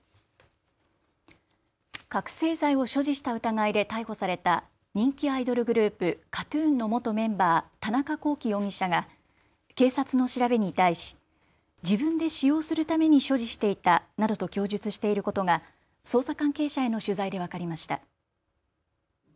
覚醒剤を所持した疑いで逮捕された人気アイドルグループ、ＫＡＴーＴＵＮの元メンバー、田中聖容疑者が警察の調べに対し自分で使用するために所持していたなどと供述していることが捜査関係者への取材で分かりました。